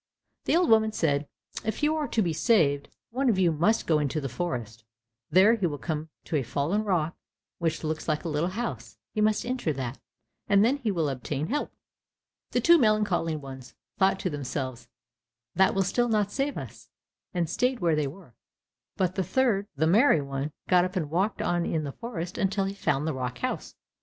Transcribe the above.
The old woman said, "If you are to be saved, one of you must go into the forest, there he will come to a fallen rock which looks like a little house, he must enter that, and then he will obtain help." The two melancholy ones thought to themselves, "That will still not save us," and stayed where they were, but the third, the merry one, got up and walked on in the forest until he found the rock house.